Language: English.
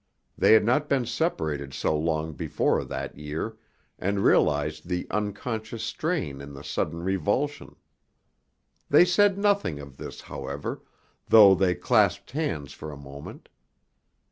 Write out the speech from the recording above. They had not been separated so long before that year, and realized the unconscious strain in the sudden revulsion. They said nothing of this, however, though they clasped hands for a moment.